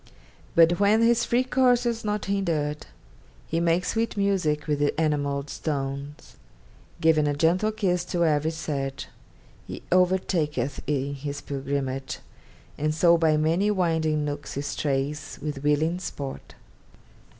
But when his free course is not hindered, He makes sweet music with the enamelled stones, Giving a gentle kiss to every sedge He overtaketh in his pilgrimage: And so by many winding nooks he strays With willing sport.